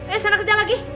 eh sana kerja lagi